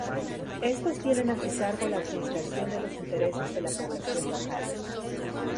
Estos tienen a su cargo la administración de los intereses de la población local.